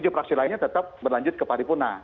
tujuh fraksi lainnya tetap berlanjut ke paripurna